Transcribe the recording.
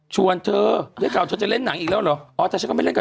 ชวนเธอได้กล่าวเธอจะเล่นหนังอีกแล้วเหรอ